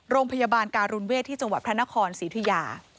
โรงพยาบาลการุณเวทที่จังหวัดพระนครศรีอุทิยา